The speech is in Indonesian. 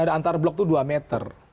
ada antar blok itu dua meter